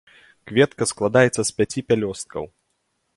Кветка складаецца з пяці пялёсткаў.